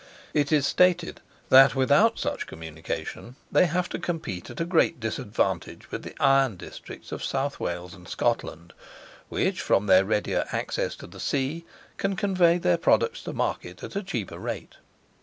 It is stated, that without such communication, they have to compete at a great disadvantage with the iron districts of South Wales and Scotland, which, from their readier access to the sea, can convey their products to market at a cheaper rate.